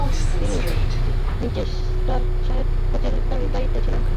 তিনি লিচেস্টারশায়ারের কোচের দায়িত্বে ছিলেন।